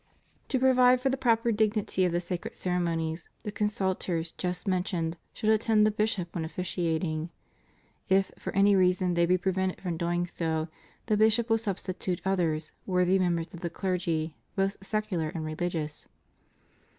To provide for the proper dignity of the sacred ceremonies, the consultors, just men tioned, should attend the bishop when officiating. If for any reason they be prevented from so doing, the bishop will substitute others, worthy members of the clergy, both secular and religious.